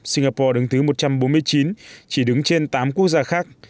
singapore đứng thứ một trăm bốn mươi chín chỉ đứng trên tám quốc gia khác